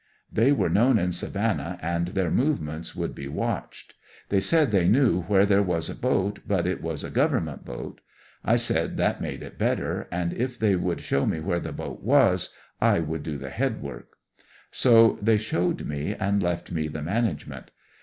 They were know:n in Savannah and their movements would be watched. They said they knew where there was a boat, but it was a government boat. I said that made it better, and if they 170 A DARINO ESCAPE. would show me where the boat was, I would do the headwork. So they showed me and left me the management.